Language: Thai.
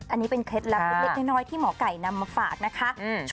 อันนี้เป็นเคล็ดลับเล็กน้อยที่หมอไก่นำมาฝากนะคะ